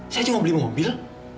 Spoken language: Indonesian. saya juga mau beli mobil